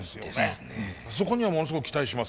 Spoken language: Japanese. そこにはものすごく期待します。